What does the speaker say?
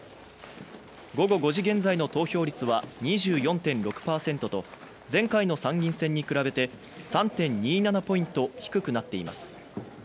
午後５時現在の投票率は２４．６％と、前回の参院選に比べて３．２７ポイント低くなっています。